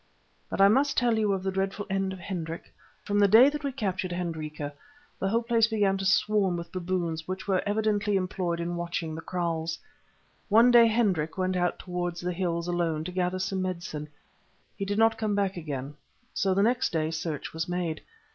"But I must tell you of the dreadful end of Hendrik. From the day that we captured Hendrika the whole place began to swarm with baboons which were evidently employed in watching the kraals. One day Hendrik went out towards the hills alone to gather some medicine. He did not come back again, so the next day search was made.